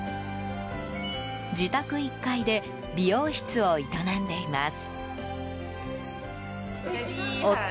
自宅１階で美容室を営んでいます。